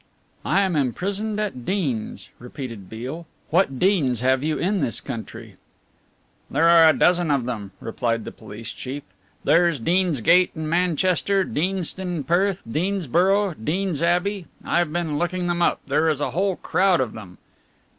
"'I am imprisoned at Deans,'" repeated Beale. "What 'Deans' have you in this country?" "There are a dozen of them," replied the police chief: "there's Deansgate in Manchester, Deanston in Perth, Deansboro', Deans Abbey I've been looking them up, there is a whole crowd of them."